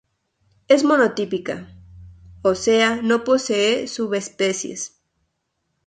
Es monotípica, o sea, no posee subespecies.